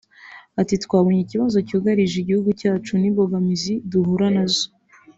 Ati “Twabonye ikibazo cyugarije igihugu cyacu n’imbogamizi duhura na zo